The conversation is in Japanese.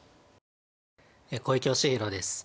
小池芳弘です。